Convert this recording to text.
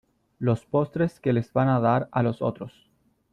los postres que les van a dar a los otros .